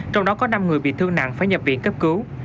trong đó có năm người bị thương nặng phải nhập viện cấp cứu